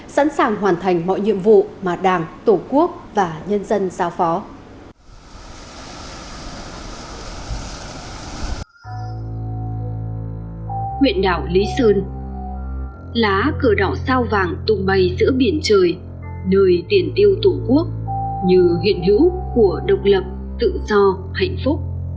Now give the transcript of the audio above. chẳng hoàn thành mọi nhiệm vụ mà đảng tổ quốc và nhân dân giao phó